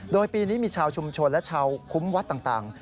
โดยปีนี้มีชาวชุมชนและชาวคุ้มวัดต่าง